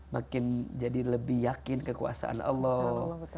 makin jadi lebih yakin kekuasaan allah